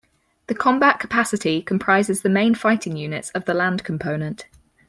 The combat capacity comprises the main fighting units of the Land Component.